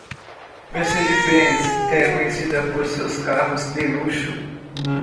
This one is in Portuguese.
Mercedes-Benz é conhecida por seus carros de luxo.